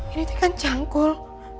ini kan cangkul